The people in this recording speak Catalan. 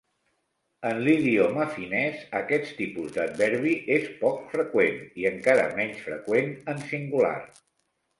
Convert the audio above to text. En l'idioma finès, aquest tipus d'adverbi és poc freqüent, i encara menys freqüent en singular.